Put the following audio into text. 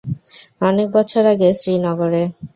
অনেক বছর আগে শ্রীনগরে।